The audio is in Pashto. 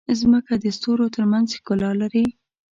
مځکه د ستورو ترمنځ ښکلا لري.